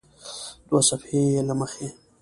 دوه صفحې یې له مخه